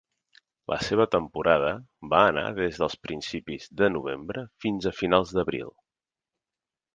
La seva temporada va anar des de principis de novembre fins a finals d'abril.